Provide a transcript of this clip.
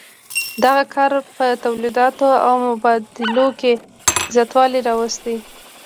دغه کار په تولیداتو او مبادلو کې زیاتوالی راوست.